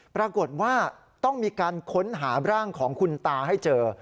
ปรากฏว่าต้องมีการค้นหาร่างของคุณตาให้เจอ